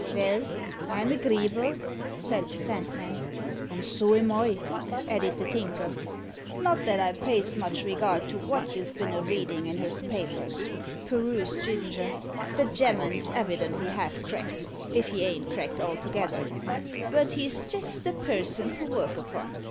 "Vell, I'm agreeable," said the Sandman. "And so am I," added the Tinker. "Not that I pays much regard to wot you've bin a readin' in his papers," purused Ginger; "the gemman's evidently half cracked, if he ain't cracked altogether but he's jist the person to work upon.